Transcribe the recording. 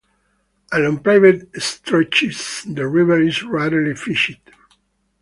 Along private stretches, the river is rarely fished.